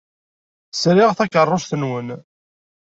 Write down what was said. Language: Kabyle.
Sriɣ takeṛṛust-nwen.